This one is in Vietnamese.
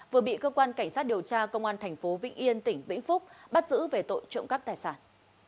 vừa bị cơ quan cảnh sát điều tra công an thành phố vĩnh yên tỉnh vĩnh phúc bắt giữ về tội trộm cắp tài sản